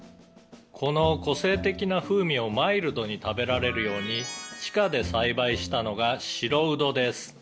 「この個性的な風味をマイルドに食べられるように地下で栽培したのが白うどです」